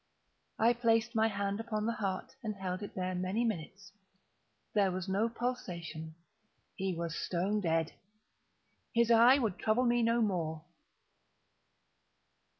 I placed my hand upon the heart and held it there many minutes. There was no pulsation. He was stone dead. His eye would trouble me no more.